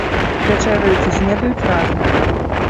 Вячэраюць і снедаюць разам.